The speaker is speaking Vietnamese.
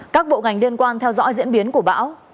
các bộ ngành liên quan theo dõi diễn biến của bão